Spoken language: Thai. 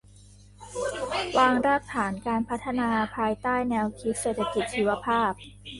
วางรากฐานการพัฒนาภายใต้แนวคิดเศรษฐกิจชีวภาพ